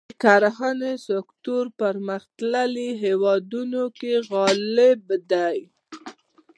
د کرهڼې سکتور پرمختیايي هېوادونو کې غالب دی.